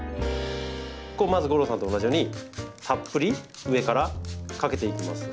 まず吾郎さんと同じようにたっぷり上からかけていきます。